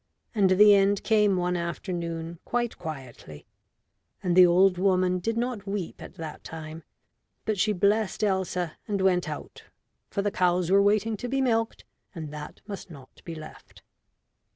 And the end came one afternoon quite quietly. And the old woman did not weep at that time, but she blessed Elsa and went out, for the cows were waiting to be milked, and that must not be left.